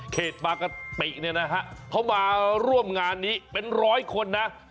บางกะปิเนี่ยนะฮะเขามาร่วมงานนี้เป็นร้อยคนนะ